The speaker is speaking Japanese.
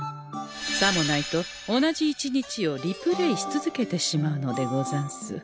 さもないと同じ一日をリプレイしつづけてしまうのでござんす。